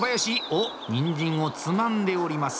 おっニンジンをつまんでおります。